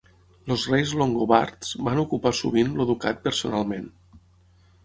Els reis longobards van ocupar sovint el ducat personalment.